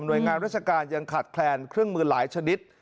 โดยงานราชการยังขาดแคลนเครื่องมือหลายชนิด